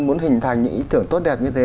muốn hình thành những ý tưởng tốt đẹp như thế